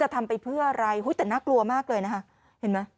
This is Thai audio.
แต่น่ากลัวมากเลยนะคะ